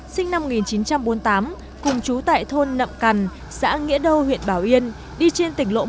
sinh năm một nghìn chín trăm bốn mươi tám cùng chú tại thôn nậm cằn xã nghĩa đâu huyện bảo yên đi trên tỉnh lộ một trăm năm mươi ba